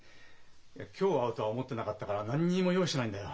今日会うとは思ってなかったから何にも用意してないんだよ。